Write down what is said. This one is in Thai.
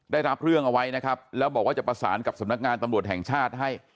ได้รับเรื่องเอาไว้นะครับแล้วบอกว่าจะประสานกับสำนักงานตำรวจแห่งชาติให้